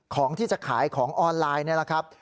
ของที่จะขายของออนไลน์นี่แหละครับ